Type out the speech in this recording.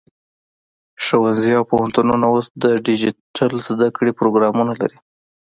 ښوونځي او پوهنتونونه اوس د ډیجیټل زده کړې پروګرامونه لري.